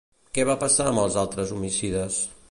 Què va passar amb els altres homicides?